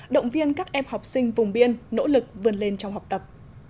động viên các em học sinh vùng biên nỗ lực vươn lên trong học tập